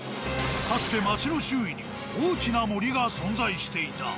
かつて町の周囲には大きな森が存在していた。